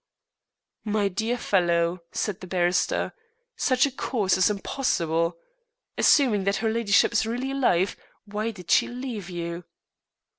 "My dear fellow," said the barrister, "such a course is impossible. Assuming that her ladyship is really alive, why did she leave you?"